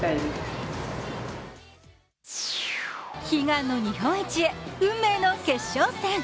悲願の日本一へ、運命の決勝戦。